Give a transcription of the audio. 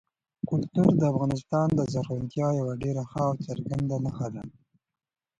کلتور د افغانستان د زرغونتیا یوه ډېره ښه او څرګنده نښه ده.